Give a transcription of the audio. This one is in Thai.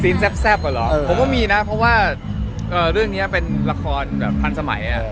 ซีนแซ่บหรอผมก็มีนะเพราะว่าเรื่องนี้เป็นละครพันธุ์สมัย